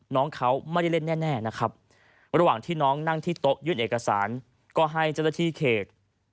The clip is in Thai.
น้องเขาไม่ได้เล่นแน่นะครับระหว่างที่น้องนั่งที่โต๊ะยื่นเอกสารก็ให้เจ้าหน้าที่เขต